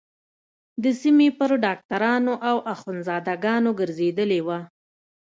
د سيمې پر ډاکترانو او اخوندزاده گانو گرځېدلې وه.